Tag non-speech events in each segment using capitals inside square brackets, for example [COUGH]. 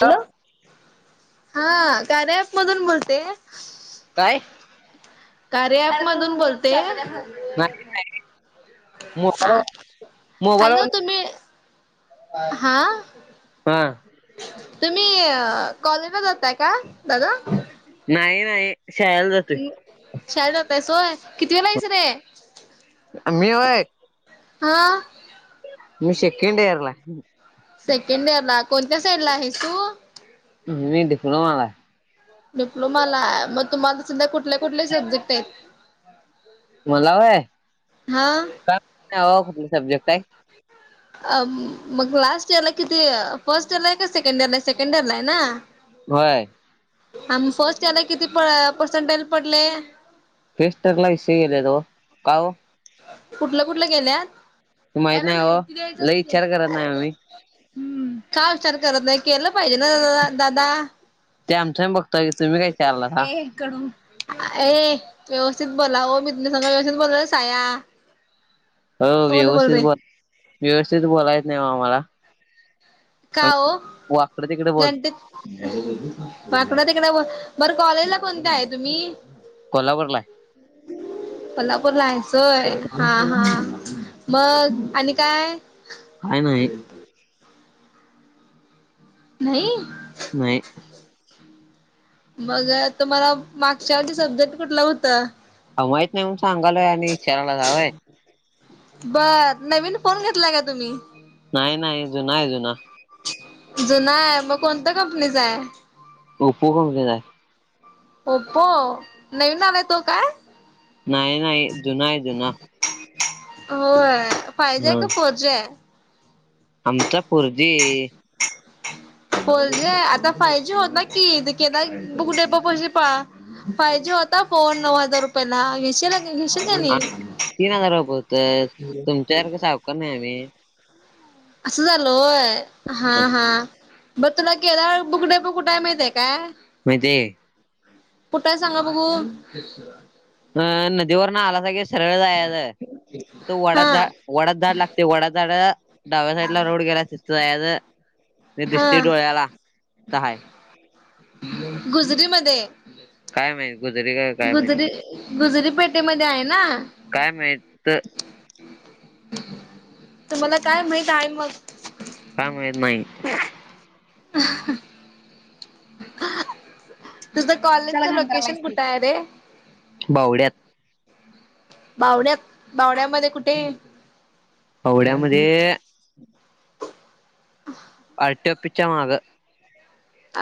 Hello, हा कार्य app मधून बोलते. नाही. कार्या ॲप मधून बोलते. नाय नाय हा मोबाईलवर, हॅलो मोबाईलवर. तुम्ही हा हा. तुम्ही कॉलेजला जाताय का दादा. नाही नाही शाळेला जातोय. शाळेला जातोस होय, कितवीला आहेस रे. मी वय हां. मी सेकंड इयरला आहे. सेकंड इयर ला, कोणत्या साईड ला आहेस तू. मी डिप्लोमा ला आहे. डिप्लोमाला आहे मग तुम्हाला सध्या कुठ कुठल्या कुठले सब्जेक्ट आहेत? मला हा. जावा ऑपरेटिंग सबजेक्ट आहे. अं मग लास्ट इयर ला किती फर्स्ट इयर ला आहे का सेकंड इयर ला सेकंड इयरला आहे ना? होय. आ फर्स्ट इयर ला किती प- पर्सेंटेज पडले? फर्स्ट इयरला विषय गेलेत ओ का ओ. कुठलं कुठलं गेल्यात? त माहीत नाही हो, लय इच्चार करत नाही आम्ही. का विचार करत नाही केलं पाहिजे न- दादा. ते आमचा मी बघतो की तुम्ही का विचारा लागलायसा. ए व्यवस्थित बोला हो मी तुझ्यासोबत व्यवस्थित बोलालोय साया. हो सोन बोल व्यवस्थित, रे व्यवस्थित बोलाय एत नाही आम्हाला. का हो! वाकडं तिकडे बोल [INAUDIBLE] वाकड तिकडं बर कॉलेज ला कोणत्या आहे तुम्ही? कोल्हापूरला आहे. कोल्हापूरला आहेस व्हाय हा हा. मग आणि काय? काय नाही. नाही. नाही. मग तुम्हाला मागच्या वर्षी सब्जेक्ट कुठलं होतं? अहो माहित नाही म्हणून सांगालोय आणि विचारा लागलायसा होय. बर नवीन फोन घेतला का तुम्ही? नाही नाही जुना आहे जुना. जुना आहे मग कोणत्या कंपनीचा आहे? ओपो कंपनीचा आहे. ओप्पो नवीन आलाय तो काय? नाही नाही जुना आहे जुना. होय फाय जी आहे हा का फोर जी आहे? आमचा फोर जी. फोर जी आहे आता फायव जी होत ना की [UNINTELLIGIBLE] फाय जी होता फोन नऊ हजार रुपयाला घ्याशी-घेशील का नाही. तीन हजार वब होत तुमच्यासारख सावकार नाही आम्ही. असं झाल होय हा हा. बघ तुला केला बुकू टेम्पो कुठे आहे माहित आहे काय? म्हणजे कुठ हाय सांगा बघू? अ नदीवर न आलासा की सरळ जायचं तिथं वडा हा झाड वडाच झाड लागते वडा झाड डाव्या साईडला रोड गेलाय तिथं जायचं. ते दिसतंय हा डोळ्याला तिथं हाय. गुजरी मध्ये. काय माहित गुजरीे काय माहित. गुजरी पेठे मध्येआहे ना? काय माहित? तर मला काय माहित आहे मग? काय माहित नाही. [UNINTELLIGIBLE] तुझं कॉलेजचं लोकेशन कुठे आहे रे, बावड्यात बावड्या बावड्यामध्ये कुठे? पवड्यामध्ये आरटीओ ऑफिस च्या मागं.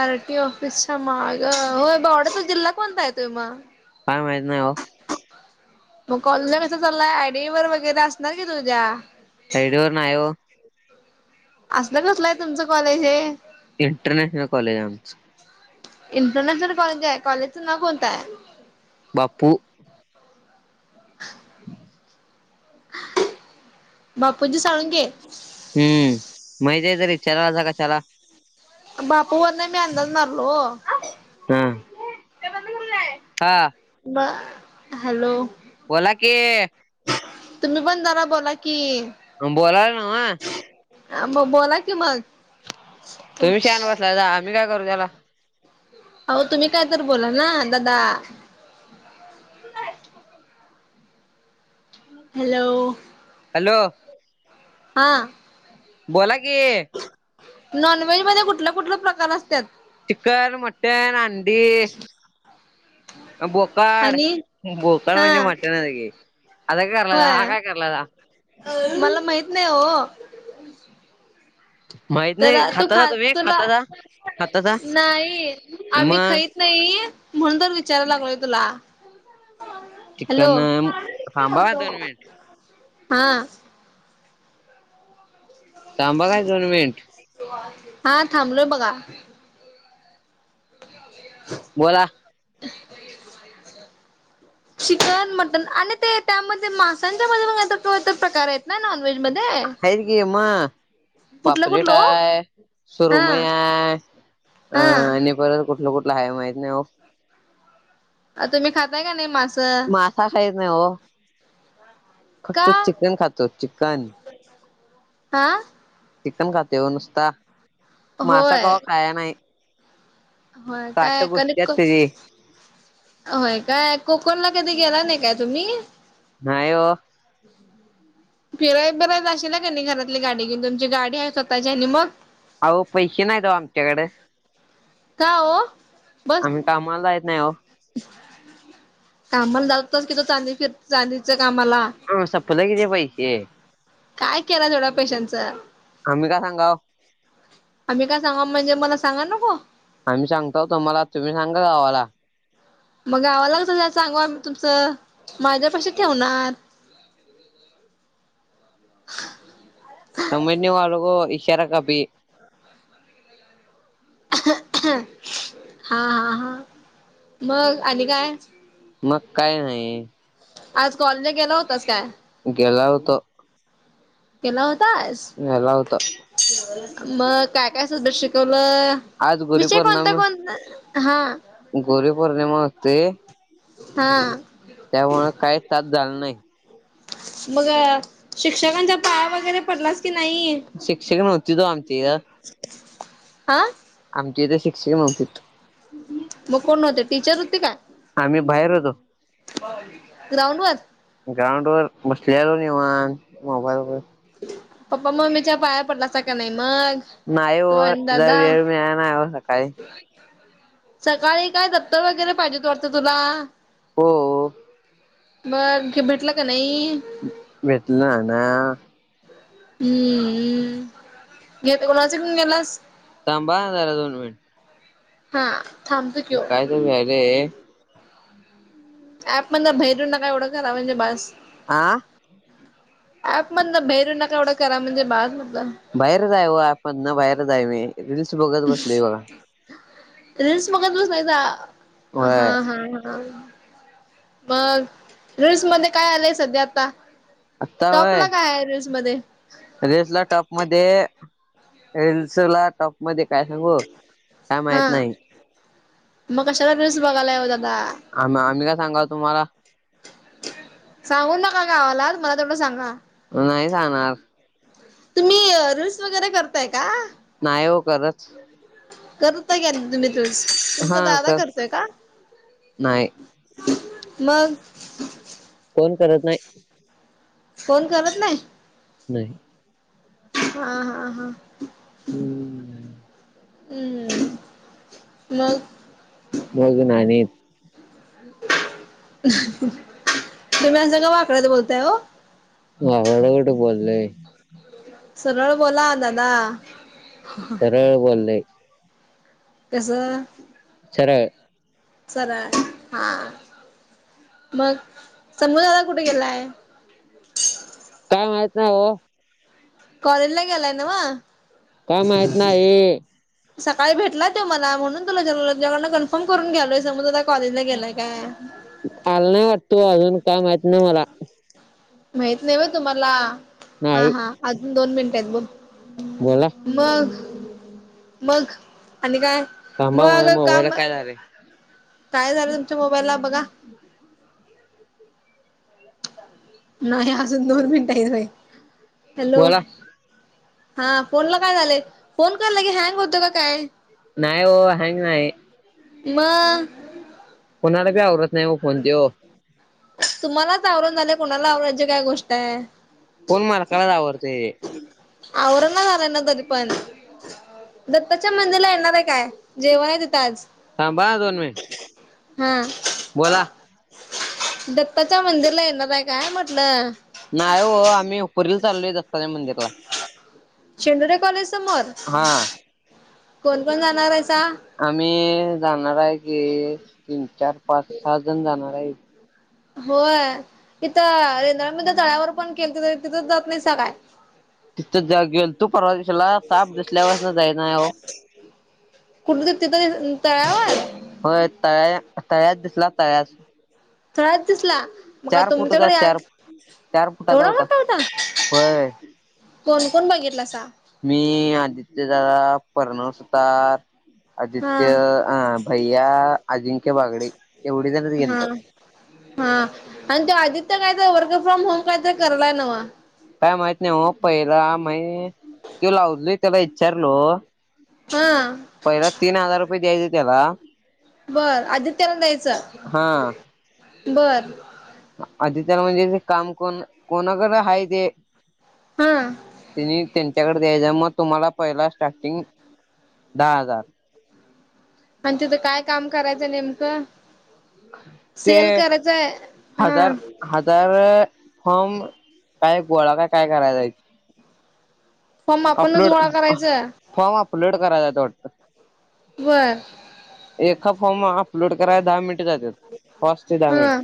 आर टी ऑफिसच्या माग होय पोवड्याचा जिल्हा कोणता यतोय मग, काय माहित नाही हो. मग कॉल कस चला आयडी वर वगैरे असणार की तुझ्या त्या आयडीवर नायो. असलं कसलं आहे तुमचं कॉलेज हे. इंटरनॅशनल कॉलेज आहे आमच. इंटरनॅशनल कॉलेज आहे कॉलेजचं नाव कोणतं आहे. बापू, ह... बापूजी साळुंखे. हम्म माहिती आहे तरी विचारता कशाला. बापू वरून मी अंदाज मारारलो ओ. [UNINTELLIGIBLE] म हॅलो! बोला की? तुम्ही पण जरा बोला की? म बोलायला नव. म बोला कि मग, तुम्ही शांत अहो बसला आम्ही काय करू त्याला, अहो तुम्ही काय तर बोला ना दादा. [UNINTELLIGIBLE] हॅलो! हॅलो! हा... बोला की? नॉनव्हेज मध्ये कुठल कुठल प्रकार असत्यात. चिकन, मटन, अंडी, बोकाड आणि बोकाड म्हणजे हा मटणच की आस काय करालयसा हा होय काय करालयसा. मला माहित नाही ओ. माहित नाही त्याला तू खातासा खा तुम्ही तुला खातासा खातासा नाही आम्ही मग खाईत नाही म्हणून तर विचारायला लागलोय तुला, हॅलो चिकन थांबा दोन मिनिट हा. थांबा काय दोन मिनट. हा थांबलोय बघा. [UNINTELLIGIBLE] बोला. [UNINTELLIGIBLE] चिकन मटन आणि ते त्यामध्ये मासांच्या मध्ये प्रकार आहेत ना नॉनव्हेज मध्ये. हाएत की म [UNINTELLIGIBLE] कुठलं पापलेट कुठलं ओ हाय सुरुमई हा हाय अ आणि हा परत कुठल कुठल आहे माहित नाहीय ओ तुम्ही खाताय का नाही मास. का खाईत नाही ओ [UNINTELLIGIBLE] फक्त का चिकन खातो चिकन. हा चिकन खातोय हो नुसता मासा होय कवा खाया नाही. होय काट काय कल घुसत्यात [UNINTELLIGIBLE] त्याची. होय काय कोकणला कधी गेला नाही काय तुम्ही? नाही ओ. फिराय बिरायला जाशीला का नाही घरातली गाडी घेऊन तुमची गाडी आहे स्वतःची आणि मग. अहो पैसे नाहीत ओ आमच्याकड का ओ बस आम्ही कामाला जायत नाही ओ. कामाला लावतोस की तू चांदी फिर चांदीच्या कामाला. हो सपल कि ते पैसे काय केला तेवढ्या पैशांचं आम्ही का सांगाव. आम्ही का सांगाव म्हणजे मला सांगा नको? आम्ही सांगताव तुम्हाला तुम्ही सांगा गावाला. मग गावाला कस काय सांगू आमी तुमच माझ्यापाशी ठेवणार समजणे वालो को इशारा काफी है. हा हा हा मग आणि काय? मग काय नाही. आज कॉलेजला गेला होतास काय? गेला होतो. गेला होतास गेला होतो मग काय काय सूध शिकवल. आज विषय कोणते कोण हा. गुरुपौर्णिमा होते. हा त्यामूळ कायच तास झाल नाही. मग शिक्षकांच्या पाया वगैरे पडलास? की नाही? शिक्षक नव्हते आमची ग. आ आमच्या इथे शिक्षक नवतीत. मग कोण होते टीचर होते का? आम्ही बाहेर होतो. ग्राउंडवर. ग्राउंड वर बसलेलो निवांत मोबाईल बघत. पप्पा मम्मीच्या पाया पडलासा का नाही मग नाही हो तो आणि जरा दादा वेळ मिळाला नाही हो सकाळी सकाळी काय दपत्तर वगैरे पाहिजेत वाटत तुला? हो बघ भेटल का नाही? भेटल ना. हम्म घेत कोणाच घेऊन गेलास? थांबाअ जरा दोन मिनिट हा थांबतो की ओ काय तर व्यालय, ऍपमधन बाहेर येऊ नका एवढं करा म्हणजे बास. आह अँप मधन बाहेर येऊ नका एवढं करा म्हणजे बास म्हंटल. बाहेरच हाय ओ अँप मधून बाहेरच आहे मी रीलल्स बघत बसलोय बघा. रीलल्स बघत बसलायसा हा होय हा हा. मग रीलस मध्ये काय आलंय सध्या आता टॉपला काय आहे रीलल्स मध्ये? रेल्स ला टॉप मध्ये रेल्सला टप मध्ये काय सांगू काय माहित हा नाही. मग कशाला रिल्स बघालाय ओ दादा. आम आम्ही का सांगाव तुम्हाला, सांगू नका गावाला मला तेवढं सांगा. नाही सांगणार. तुम्ही रील्स वगैरे करताय का? नाही ओ करत. करत होता की आधी तुम्ही रिल्स, हा तुमचा दादा कर करतोय का? नाही मग, कोण करत नाही. कोण करत नाही? नाही. हा हा हा हम्म हम्म मग, मग न्हानीत. तुम्ही अस का वाकड्यात बोलताय हो? वाकड कुठ बोललोय. सरळ बोला दादा. सरळ बोललय. कस, सरळ. सरळ हा मग, समु दादा कुठे गेलाय? काय माहित नाही ओ. कॉलेज ला गेलाय नव. काय माहित नाही सकाळी भेटला तो मला. म्हणून तुला विचारालोय कन्फर्म करून घ्यालोय, समुदादा कॉलेजला गेलाय काय? आला नाही वाटत ओ अजून, काय माहीत नाही मला. माहित नाही व्हय तुम्हाला. हा नाही हा अजून दोन मिनिटयेत बोल. बोला मग मग आणि काय थांबा मग माझ्या काम मोबाईलला काय झालंय काय झालं तुमच्या मोबाईलला बघा. नाही अजून दोन मिनट हाय व्हय, हॅलो. बोला हा फोन ला काय झालंय, फोन काय लगेच हँग होत का काय? नाय ओ हँग नाही. म, कोनाला बी आवरत नाही ओ फोन त्यो. तुम्हालाच आवरण झालय, कोणाला आवरायची काय गोष्टय. फोन मला कळाल आवरतेय. आवरना झालाय ना तरी पण. दत्ताच्या मंदिरला येणारे काय? जेवाय तीथ आज. थांबा हा दोन मिनिट ह. बोला. दत्ताच्या मंदिरला येणार आहे काय म्हटलं? नाय हो, आम्ही उपरीला चाललोय दत्ताच्या मंदिरात. शेंदरे कॉलेज समोर? हा कोण कोण जाणारेसा? आम्ही जाणार आहे की, तीन, चार, पाच, सहा जण जाणार आहे. होय. इथं रेंद्रा [UNINTELLIGIBLE] तळ्यावर पण [UNINTELLIGIBLE] तिथं जात नाही सा काय? तिथं ज गेलतू परवा दिवशीला. साप दिसल्या पासन जाईना हो. कुठ तिथ तिथ तळ्यावर? होय, तळ्या तळ्यात दिसला तळ्यात. तळ्यात दिसला? मग काय चार फुटचा तुमच्याकडे याल, चार चार फुटाचा एवढा मोठा होता? होय कोण कोण बगितलासा? मी आदित्यदादा, प्रर्णवसुतार, हा आदित्य आ भैया, अजिंक्य बागडे. एवढी जणच हा गेलतो. हा आणि तो आदित्य काय तर वर्क फ्रॉम होम काय तरी करलाय नव? काय माहित नाही हो. पहिला मैं त्यो लाव लई त्याला विच्चारलो हा. पहिला तीन हजार रुपये द्यायचे त्याला बर. आदित्याला द्यायचं? हा बर. आदित्यला म्हणजे ते काम कोण, कोणाकडे हाय ते. हा. तेनी त्यांच्याकड द्यायचं, म तुम्हाला पहिला स्टार्टिंग दहा हजार. आणि तिथं काय काम करायचं नेमकं? ते सेल कराचाय? ह. तर फॉर्म, काय गोळा का काय कराय जायचंय. फॉर्म आपणच अपलोड, गोळा करायचं फॉर्म अपलोड करायलात वाटतं. व्हय. एका फॉर्म अपलोड कराय दहा मिनिट जातात. पाच ते दहा मिनिट. हा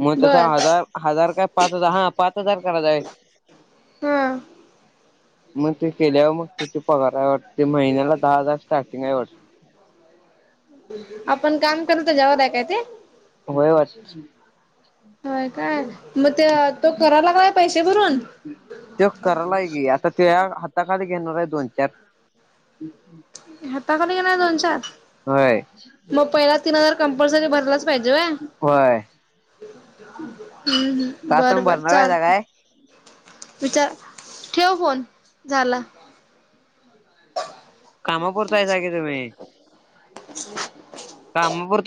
मग तसा बर हजार हजार काय पाच हजार, हा पाच हजार करायचाय. ह. मं ते केल्यावर मग किती पगार आहे वाटतं, महिन्याला दहा हजार स्टार्टिंग आहे वाट आपण काम करू त्याच्यावर आहे काय ते? होय [INAUDIBLE] व्हय काय? म त्य तो करा लागलाय पैसे भरून? त्यो करालाय की, आता त्या हाताखाली घेणार आहे दोन चार. [INAUDIBLE] हाताखाली घेणार दोन च होय म पहिला तीन हजार कंपल्सरी भरलाच पाहिजे व्हय? व्हय. हम्म हम्म का बरं तुम्ही बरं भरणार आहेसा चालतय. काय विचार, ठेव फोन झाला. कामापुरता आहे का तुम्ही कामापुरता आहे तुम्ही कामापुरता